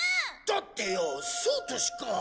だってよそうとしか。